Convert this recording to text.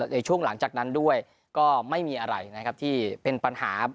ในช่วงหลังจากนั้นด้วยก็ไม่มีอะไรนะครับที่เป็นปัญหา